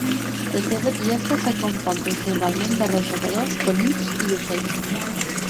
La seva dieta es compon principalment de rosegadors, conills i ocells.